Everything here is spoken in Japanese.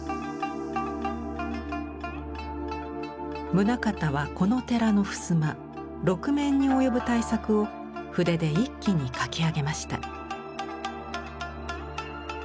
棟方はこの寺の襖６面に及ぶ大作を筆で一気に描き上げました。